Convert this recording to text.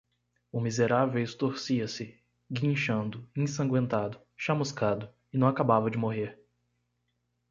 O miserável estorcia-se, guinchando, ensangüentado, chamuscado, e não acabava de morrer.